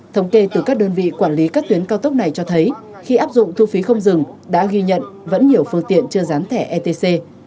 thống kê từ các đơn vị quản lý các tuyến cao tốc này cho thấy khi áp dụng thu phí không dừng đã ghi nhận vẫn nhiều phương tiện chưa rán thẻ etc